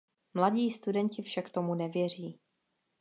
Mladí studenti však tomu nevěří.